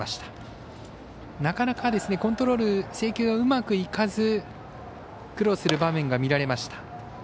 なかなかコントロール制球がうまくいかず苦労する場面が見られました。